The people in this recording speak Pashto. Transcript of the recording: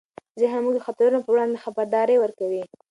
ذهن موږ د خطرونو پر وړاندې خبرداری ورکوي.